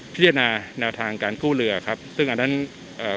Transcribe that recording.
พิจารณาแนวทางการกู้เรือครับซึ่งอันนั้นเอ่อ